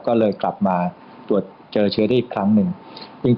ก็เลยกลับมาตรวจเจอเชื้อได้อีกครั้งหนึ่งซึ่ง